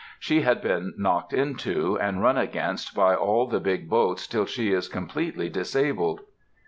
She has been knocked into and run against by all the big boats till she is completely disabled.